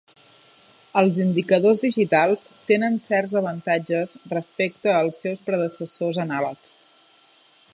Els indicadors digitals tenen certs avantatges respecte als seus predecessors anàlegs.